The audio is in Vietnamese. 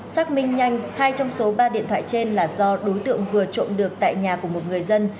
xác minh nhanh hai trong số ba điện thoại trên là do đối tượng vừa trộm được tại nhà của một người dân